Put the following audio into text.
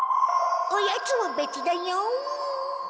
おやつはべつだよ！